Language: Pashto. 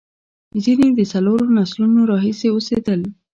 ځینې د څلورو نسلونو راهیسې اوسېدل.